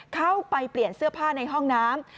เข้าไปเปลี่ยนเสื้อผ้าในห้องน้ำ